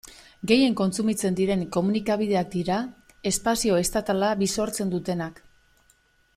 Gehien kontsumitzen diren komunikabideak dira espazio estatala bisortzen dutenak.